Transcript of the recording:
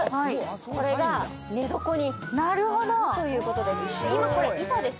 これが寝床になるということです。